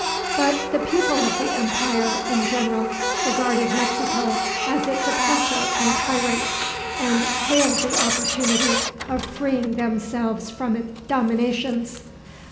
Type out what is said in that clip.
But the people of the empire, in general, regarded Mexico as its oppressor and tyrant, and hailed the opportunity of freeing themselves from its dominations.